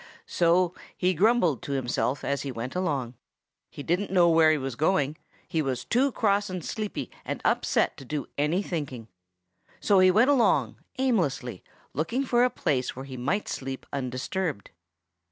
So he grumbled to himself as he went along. He didn't know where he was going. He was too cross and sleepy and upset to do any thinking. So he went along, aimlessly looking for a place where he might sleep undisturbed.